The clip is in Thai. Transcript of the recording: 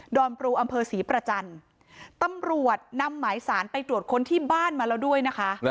อนปรูอำเภอศรีประจันทร์ตำรวจนำหมายสารไปตรวจค้นที่บ้านมาแล้วด้วยนะคะ